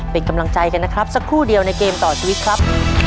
เป็นกำลังใจกันนะครับสักครู่เดียวในเกมต่อชีวิตครับ